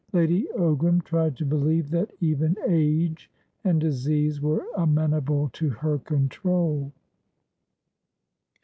Lady Ogram tried to believe that even age and disease were amenable to her control.